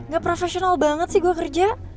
gak profesional banget sih gue kerja